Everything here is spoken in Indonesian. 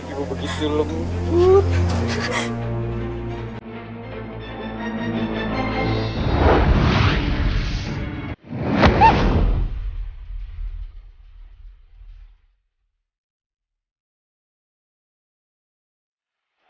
ibu begitu lembut